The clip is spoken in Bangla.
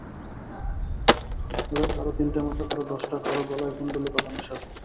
তাঁদের কারও তিনটা মাথা, কারও দশটা, কারও গলায় কুণ্ডলী পাকানো সাপ।